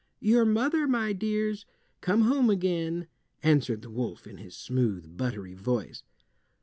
"Your mother, my dears, come home again," answered the wolf, in his smooth buttery voice.